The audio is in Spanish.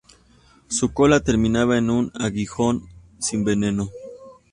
Su cola terminaba en un aguijón sin veneno.